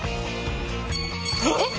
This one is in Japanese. えっ！？